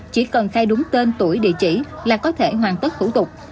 chỉ cần khai đúng tên tuổi địa chỉ là có thể hoàn tất thủ tục